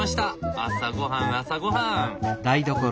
朝ごはん朝ごはん！